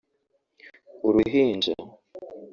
‘Uruhinja’